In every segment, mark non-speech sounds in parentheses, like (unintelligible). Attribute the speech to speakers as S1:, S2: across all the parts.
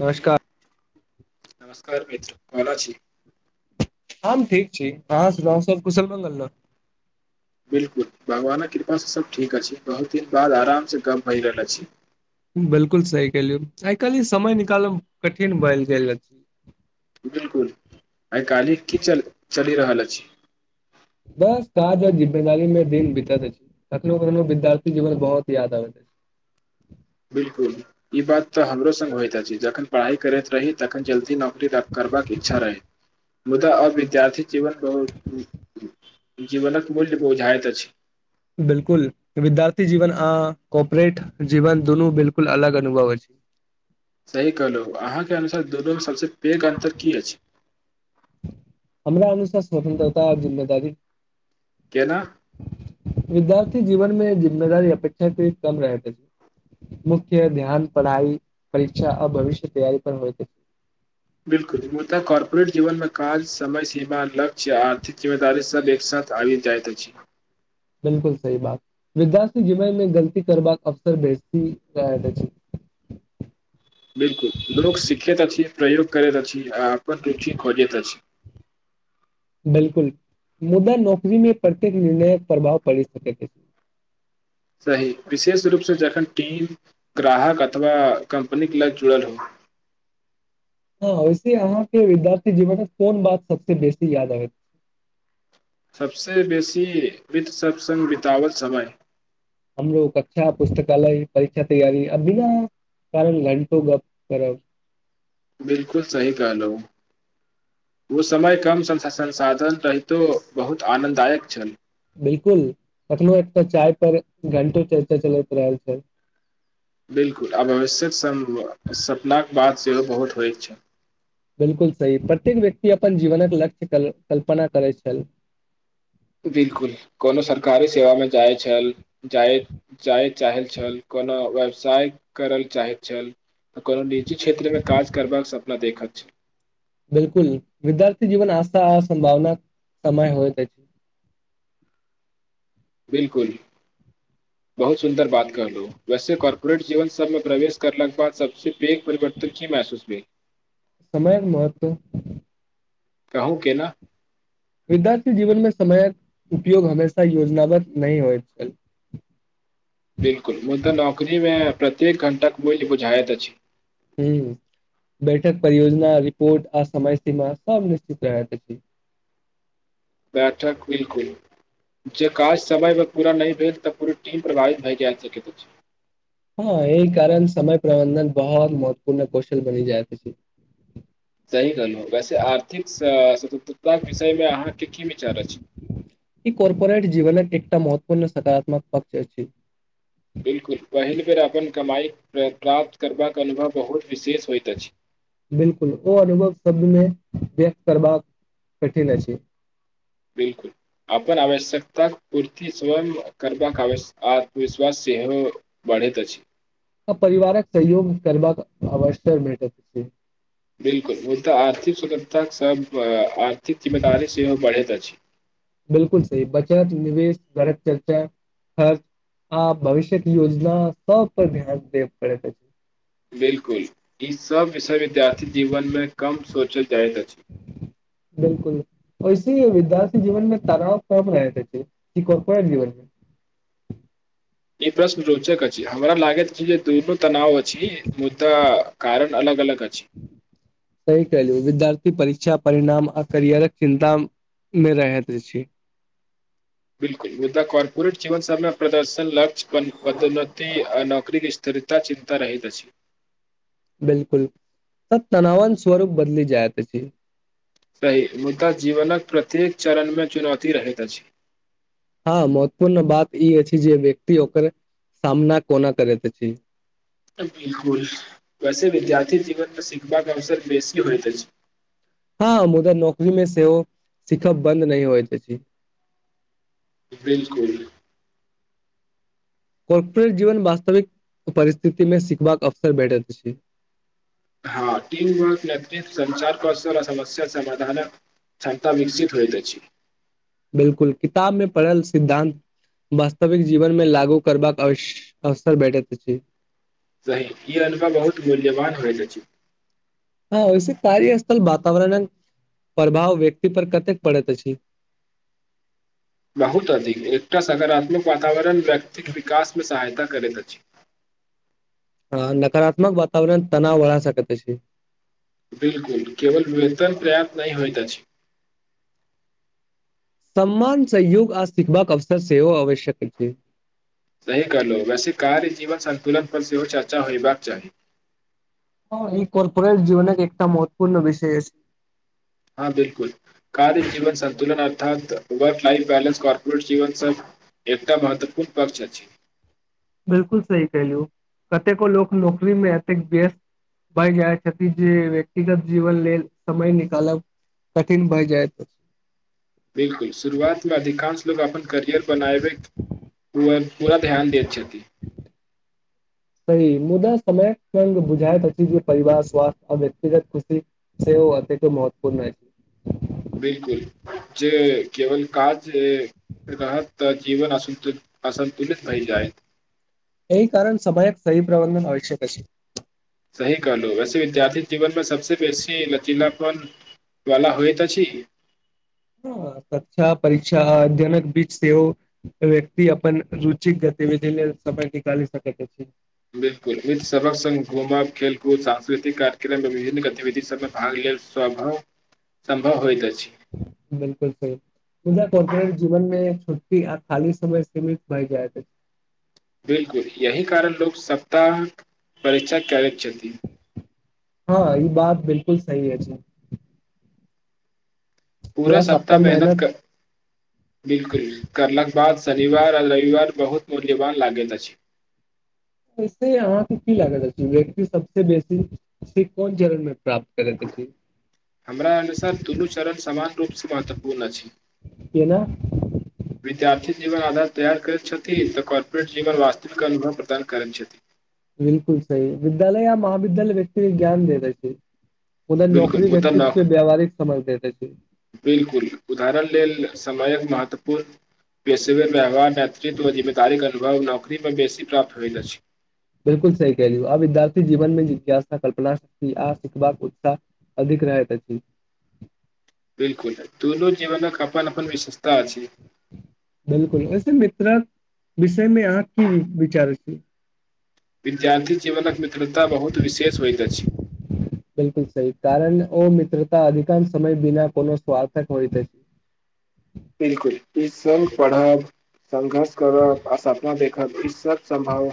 S1: नमस्कार।
S2: नमस्कार मित्र कोना छी।
S1: हम ठीक छी, अहाँ सुनाउ सब कुशल मंगल न।
S2: बिलकुल भगवानक कृपा से सब ठीक अछि, बहुत दिन बाद आराम से गप्प भए रहल अछि।
S1: बिलकुल सही कहलिये, आय काली समय निकालब कठिन भाएल गेल अछि।
S2: आय काल्हि की चल चलि रहल अछि।
S1: बस काज और जिम्मेदारी मे दिन बीतत अछि, कखनो-कखनो विद्यार्थी जीवन बहोत याद आबैत अछि।
S2: बिलकुल ई बात तऽ हमरो संग होएत अछि, जखन पढ़ाई करैत रही तखन जल्दी नौकरी दे करबाक इच्छा रहै। मुदा अविद्यार्थी जीवन बहुत उम्म जीवनक मूल्य बुझाएत अछि।
S1: बिलकुल विद्यार्थी जीवन आ कोपोरेट जीवन दुनू बिलकुल अलग अनुभव हो छै।
S2: सही कहलहु अहाँके अनुसार- दुनू सबस। पेग अन्तर की अछि। (unintelligible)
S1: हमरा अनुसार स्वतंत्रता जिम्मेदारी।
S2: केना
S1: (unintelligible) विद्यार्थी जीवन मे जे। जिम्मेदारी अपेक्षा के कम रहत अछि, मुख्य ध्यान पढ़ाई, परीक्षा अ भविष्य तैयारी पर होएत अछि।
S2: बिलकुल मुद्दा कॉर्पोरेट जीवन मे काज, समय, सीमा, लक्ष्य, आर्थिक जिम्मेदारी सब एक साथ आबैत जाएत अछि।
S1: बिलकुल सही बात विद्यार्थी जीवन में गलती करबाक अवसर बेजती रहत अछि।
S2: बिलकुल लोक सीखैत अछि, प्रयोग करैत अछि आ अपन (unintelligible) खोजैत अछि।
S1: बिलकुल मुद्दा नौकरी मे प्रत्येक निर्णयक प्रभाव पड़ि सकैत अ
S2: सही विशेष रूपसँ जखन टीम ग्राहक अथवा कम्पनी के ल जुड़ल हो।
S1: हँ वैसे अहाँके विद्यार्थी जीवन मे कोन बात सबस बेसी याद आबैत छै।
S2: सबस बेसी वितत सत्सङ्ंग बिितवत समय।
S1: हमरो कक्षा पुस्तकालय परीक्षा तैयारी आ बिना कारण घंटो गप करब।
S2: बिलकुल सही कहलहु ओ -समय कम संसाधन- रहितो बहुत आनन्ददायक छल।
S1: बिलकुल कखनो एकटा चाय पर घंटो चर्चा चलैत रहल छै।
S2: बिलकुल आब आवश्यक -सपनााक- बात। से ओ बहुत हो छै।
S1: बिलकुल सही प्रत्येक व्यक्ति अपन जीवनक लक्ष्य कल कल्पना करैत छल। (unintelligible)
S2: बिलकुल कोनो सरकारी सेवामे जाइत छल। जाय -जाय चाहै छल कोनो व। व्यवसाय कर ल चाहैत छल त कोनो निजी क्षेत्रमे काज करबाक सपना देखैत छल।
S1: बिलकुल विद्यार्थी जीवन आस्था सं्भावना समय होय। (unintelligible)
S2: बिलकुल बहुत सुन्दर बात करलो वैसे कॉर्पोरेट जीवन सबमे प्रवेश करलाके बाद सबस पघ परिवर्तन की महसूस भेलई।
S1: समयके महत्व। (unintelligible)
S2: कहू के न। (unintelligible)
S1: विद्यार्थी जीवनमे समयक उपयोग हमेशा योजनाबद्ध नहि होइत छल। (unintelligible)
S2: बिलकुल मुदाऽ नौकरी मे प्रत्येक घण्टा बुझायत अछि।
S1: ह बैठक परियोजना रिपोर्ट आ समय सीमा सब निश्चित रह छै। (unintelligible)
S2: बैठक बिलकुल जे काज समयमे पूरा नहि भेल तऽ पूरा टीम प्रभावित भए जा सकैत अछि।
S1: हँ ई कारण समय प्रबन्धन बहुत महत्वपूर्ण कौशल बनि जाय प।
S2: सह कहलहुँ। वैसे आर्थिक स्वतंत्रतााके विषय मे अहाँके की विचार अछि। (unintelligible)
S1: पूण सकारात्मक पक्ष अछि। (unintelligible)
S2: बिलकुल पहिल बेर अपन कमाई प्राप्त करबाके अनुभव बहुत। विशेष होइत अछि
S1: (unintelligible) बिलकुल ओ अनुभव शब्द में व्यक्त करबाक कठिन अछि। (unintelligible)
S2: बिलकुल अपनन आवश्यकता पूरति स्वयं करबाक आ आ आत्मविश्वास सहो बढ़ैत अछि।
S1: परिवारक सहयोग करबाक अवसर भेटत।
S2: बिलकुल ओ तऽ आर्थिक स्वतंता सब। (unintelligible) सेहो
S1: (unintelligible)
S2: बढ़ैत अछि
S1: बिलकुल सी बचत निवेश। भर चर्चा खर्च आ भविष्य योजना सब पर ध्यान दे पड़।
S2: बिलकुल ई सब विषय विद्यार्थी जीवन मे कम सोचल जाइत अछि।
S1: बिलकुल, ओहिसे विद्यार्थी जीवन मे तनाव कम भ जाइत हेतै कि करपोरेट जीवन मे
S2: इ प्रश्न रोचक अछि, हमरा लागैत छै जे दुनु तनाव अछिये, मुदा कारण अलग अलग अछि।
S1: सही कहलियै, विद्यार्थी परीक्षा परिणाम आ कैरियरक चिन्ता मे रहैत अछि।
S2: बिलकुल, मुदा कारर्पोरेट जीवन सबमे प्रदर्शन, लक्ष्य, पदोन्नति आ नौकरीक स्थिरता चिन्ता रहैत अछि।
S1: बिलकुल, त तनावक स्वरूप बदलि जायत अछि।
S2: सही, मुदा जीवनक प्रत्येक चरणमे चुनौती रहैत अछि।
S1: हां, महत्वपूर्ण बात इ अछि जे व्यक्ति ओकर सामना कोना करैत अछि।
S2: बिलकुल वैसे विद्यार्थी जीवन मे सिखबाकाे अवसर बेसी होइतते। (unintelligible)
S1: हँ मुदा नौकरी मे सेहो सिखब बन्द नहि होइत छै। (unintelligible)
S2: बिलकुल। (unintelligible)
S1: कॉर्पोरेट जीवन वास्तविक परिस्थितिमे सिखबाक अवसर भेटैत छै।
S2: हँ ीम वर्क नेतृ्व संचार कौशल आ समस्या समाधानक क्षमता वश्चित होइत अछि।
S1: बिलकुल, किताबमे पढ़ल सिद्धान्त वास्तविक जीवनमे लागू करबाक अव अवसर भेटैत अछि।
S2: सही, इ अनुभव बहुत मूल्यवान होइत अछि।
S1: हां, ओहिसं कार्य स्थल वातावरणक प्रभाव व्यक्ति पर कतेक पड़ैत अछि?
S2: बहुत अधिक, एकटा सकारात्मक वातावरण व्यक्तिक विकास मे सहायता करैत अछि।
S1: हां, नकारात्मक वातावरण तनाव बढ़ा सकैत अछि।
S2: बिलकुल, केवल वेतन पर्याप्त नहि होइत अछि।
S1: सम्मान, संयोग आ सीखबाक अवसर सेहो आवश्यक अछि।
S2: सही कहलहुं, वैसे कार्य, जीवन संन्तुलन पर सेहो चर्चा होयबाक चाही।
S1: आ इ कारर्पोरट जीवनक एकटा महत्वपूर्ण विषय अछि।
S2: हां, बिलकुल, कार्य जीवन सन्तुलन अर्थात वर्क लाइफ बैलेंस कॉर्पोरेट जीवन सब एकटा महत्वपूर्ण पक्ष अछि।
S1: बिलकुल सही कहलहुं, कतेको लोक नौकरी मे एतेक व्यस्त भए जाइत छथि जे व्यक्तिगत जीवन लेल समय निकालब कठिन भए जायत।
S2: बिलकुल, शुरुआत मे अधिकांश लोग अपन करियर बनाबैक लेल पूरा ध्यान दैत छथि।
S1: सही, मुदा समय संग बुझाइत अछि जे परिवार, स्वास्थ्य आ व्यक्तगत खुशी सेहो अतेको महत्वपूर्ण अछि।
S2: बिलकुल, जे केवल काज रहत जीवन असंतुलित। असन्तुलित भय जायत।
S1: एहि कारण समयक सही प्रबंधन आवश्यक अछि।
S2: सही कहलहुं, वैसे विद्यार्थी जीवन मे सबसे बेसी लचीलापन वला होइत अछि।
S1: हां, शिक्षा, परीक्षा, अध्ययनक बीच सेहो व्यक्ति अपन रुचिक गतिविधि लेल समय निकालि सकैत अछि।
S2: बिलकुल, मित्र सभक संग घुमब, खेलकूद, सांस्कृतिक कार्यक्रम मे विभिन्न गतिविधि सबमे भाग लेल संभव, सम्भव होइत अछि।
S1: बिलकुल छै, मुदा कॉर्पोरेट जीवन मे शि आ खाली समय सीमित भय जाइत अछि।
S2: बिलकुल, एहि कारण लोक सप्ताह परीक्षा करैत छथि।
S1: हां, इ बात बिलकुल सही अछि।
S2: पुरा सप्ताह मेहनत कर, बिलकुल, करलाक बाद शनिवार आ रविवार बहुत मूल्यवान लागैत अछि।
S1: ऐसे अहांके कि लागैत अछि व्यक्ति सबसे बेसी कोन चरण मे प्राप्त करैत अछि
S2: हमरा अनुसार दुनु चरण समान रूप से महत्वपूर्ण अछि।
S1: केना
S2: विद्यार्थी इहो आधार तैयार कर छथि त कॉर्पोरेट जीवन वास्तविक अनुभव प्रदान करैत छथि।
S1: बिल्कुल सही विद्यालय या महाविद्यालय व्यक्ति के ज्ञान देबैय छै। हुनर
S2: बिल्कुल
S1: नौकरी
S2: मुदा
S1: व्यक्तित्व
S2: नौक
S1: के व्यावहारिक समान देखै छी।
S2: बिल्कुल उदाहरण लेल समयक महत्वपूर्ण पेशेवर व्यवहार (unintelligible) जिममेदारी के अनुभव नोक तकरीबन बेसी प्राप्त होइत अछि
S1: बिलकुल सही कहलियै, आब इ बात जीवन मे जिज्ञासा, कल्पना आ सिखबाक उत्साह अधिक रहैत अछि।
S2: बिल्कुल दुनु जीवनक अप्पन अप्पन विशेष ताजी
S1: बिलकुल वैसे मित्रक विषय मे अहाँ की विचार अछि।
S2: विद्यार्थी जीवनक मित्रता बहुत विशेष होइत अछि।
S1: बिल्कुल सही कारण ओ मित्रता अधिकांश समय बिना कोनो स्वार्थक होइत अछि।
S2: बिलकुल इ संग पढ़ब संघर्ष करब आ सपना देखब इ सब संभव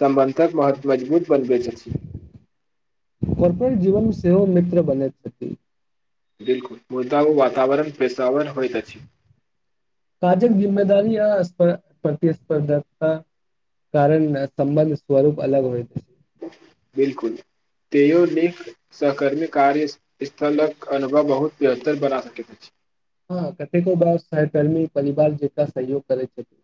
S2: सम्बन्धक महत्व मजबूत बनबैत अछि
S1: (unintelligible) कोन कोन जीवन सेहो मित्र बनैत छथि।
S2: बिल्कुल मुदा ओ वातावरण पेश
S1: (inaudible) काजग जिम्मेदारी (unintelligible) प्रतिस्पर्धकता कारण संबंध स्वरूप अलग होइत अछि।
S2: बिल्कुल तेयो निक सहकर्मी कार्य स्थलक अनुभव बहुत बेहतर बना सकैत अछि।
S1: हँ कतेको बार सहकर्मी परिवार जेका सहयोग करै छथि।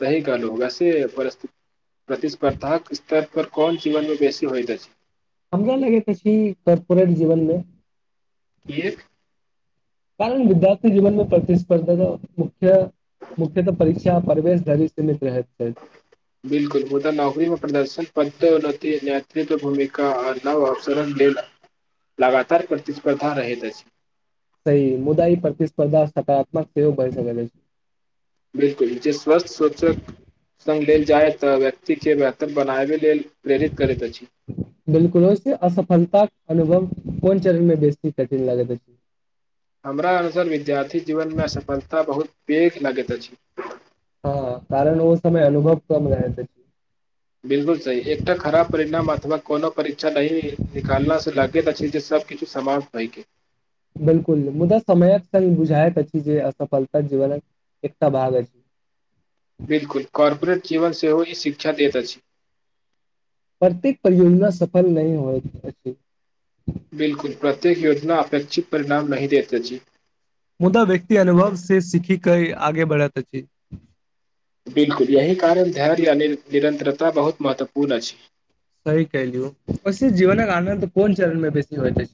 S2: सही कहलहुँ वैसे प्रतिस्पर्धाक स्तर पर कोन जीवन मे बेसी होइत अछि।
S1: हमरा लगैत अछि कर्पोरेट जीवनमे।
S2: किएक?
S1: कारण विद्यार्थी जीवनमे प्रतिस्पर्धकता मुख मुख्यतः परि (unintelligible) अच्छा प्रवेश धरि सीमित रहथि।
S2: बिल्कुल मुदा नौकरी मे प्रदर्शन पत्र नेतृत्व भूमिका आ नव अवसरण लेल लगातार प्रतिस्पर्धा रहैत अछि।
S1: सही मुदा ई प्रतिस्पर्धा सकारात्मक सेहो भय सकैत अछि।
S2: बिल्कुल जे स्वस्थ सोचक संग लेल जाय तऽ व्यक्ति के महत्व बनाबे लेल प्रेरित करैत अछि
S1: बिल्कुल वैसे असफलता। अनुभम कोन चरणमे बेसी कठिन लागैत अछि।
S2: हमरा अनुसार विद्यार्थी जीवनमे असफलता बहुत पैघ लगैत अछि।
S1: हँ कारण ओ समय अनुभव कम रहैत अछि।
S2: बिल्कुल सही एकटा खराब परिणाम अथवा कोनो परीक्षा नहि निकाला स लागैत अछि जे सब किछ समाज भय गेल।
S1: बिल्कुल मुदा समयक संग बुझायइत अछि जे असफलता जीवनक एकटा भाग अछि।
S2: बिल्कुल कॉर्पोरेट जीवन सेहो ई शिक्षा दैत अछि।
S1: प्रत्येक परियोजना सफल नहि होइत अछि।
S2: बिलकुल प्रत्येक योजना अपेक्षित परिणाम नहिह देते जी।
S1: मुदा व्यक्ति अनुभव से सीखी कऽ आगे बढ़ैत अछि।
S2: बिलकुल यह कारण ध निरतरता बहुत महत्वपूर्ण अछि।
S1: सही क लियौ जीवनक आनन्द कोन चरण मे बेसी हो जा।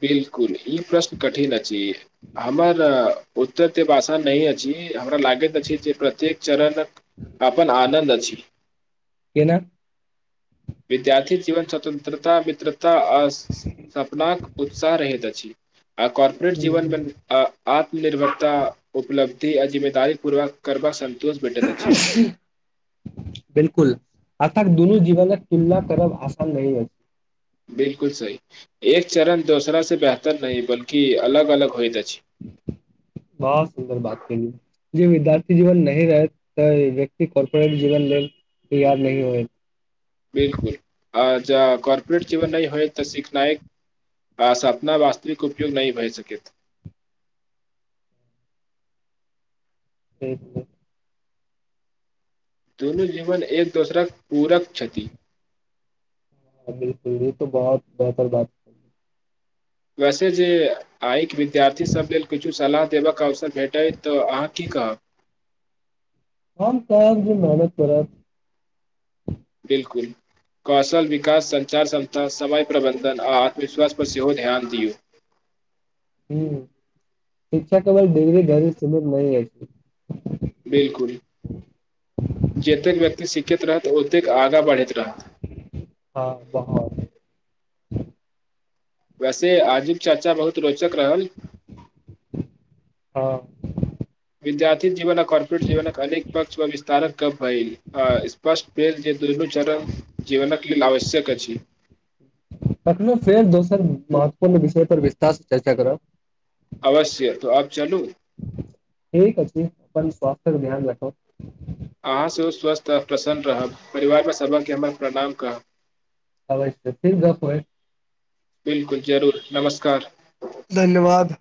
S2: बिल्कुल ई प्रश्न कठिन अछि। हमर उत्तर देव आसान नहि अछि। हमरा लागैत अछि जे प्रत्येक चरणक अपन आनन्द अछि।
S1: केना?
S2: विद्यार्थी जीवन स्वतन्त्रता मित्रता आ सपनाक उत्साह रहैत अछि। आ कार्पोरेट जीवन में आ आत्मनिर्भरता उपलब्धि आ जिम्मेदारी पूर्वक करबा स
S1: बिलकुल। अर्थक दुोनू जीवने तुलना करब आसान रहहि अछि।
S2: बिलकुल सही एक चरण दोसरा से बेहतर नहि बल्कि अलग अलग होइ जा
S1: बहुत सुन्दर बात करै। जे विद्यार्थी जीवन नही रहैत तऽ व्यक्ति करपोरेट जीवन लेल तैयार नहिह होत।
S2: बिलकुल आ ज कॉर्पोरेट जीवन नहि होय तऽ सिखनायक सापना वास्तविक उपयोग नहि भए सक।
S1: ठ।
S2: दुनू जीवन एक दोसरााक पूरक क्षति।
S1: बिलकुल ई त बहुत बेहतर बात।
S2: वैसे जे आइके विद्यार्थी सब लेल किुछो सलाह देबक अवसर बेटे तो अहाँ की कहब।
S1: हम कहब जे मेहनत करै।
S2: बिलकुल कौशल विकास संचार संस्था समय प्रबंधन आ आत्मविश्वास पर सेहो ध्यान दियौ।
S1: ह शिक्षक त म िगरी धर सीमित म छै।
S2: बिल्कुल के तहत उत्यग आगा बढ़े
S1: हँ बाहर।
S2: वैसे आजुब चर्चा बहुत रोच प कररााय नी।
S1: हँ
S2: विद्यार्थी जीवन आ कॉर्पोरेट जीवनक अनेक पक्ष पर विस्तारक क भेल स्पष्ट भेल जे दन चरण जीवनक लेल आवश्यक अछि।
S1: तखनो फेर दोसर महत्वपूर्ण विषय पर विस्तास चर्चा करब।
S2: अवश्य तो आब चलू
S1: ठीक छै अपन स्वस््थर ध्यान रखो।
S2: अहाँ सेहो स्वस्थ आओ प्रसन्न रहब परिवारमे सभकके हमर प्रणाम कहब।
S1: अवश्य फिर गप्प होइ।
S2: बिलकुल जरूर नमस्कार।
S1: धन्यवाद।